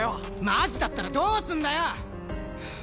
マジだったらどうすんだよ！